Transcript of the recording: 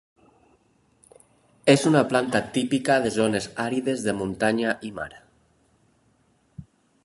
És una planta típica de zones àrides de muntanya i mar.